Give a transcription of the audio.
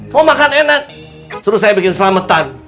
mau makan enak suruh saya bikin selamutan